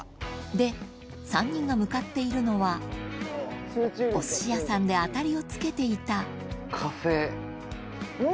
で３人が向かっているのはお寿司屋さんで当たりをつけていたカフェ。